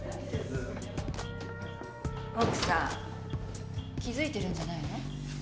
奥さん気づいてるんじゃないの？